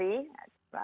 baik terima kasih